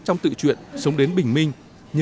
trong tự chuyển sông đến bình minh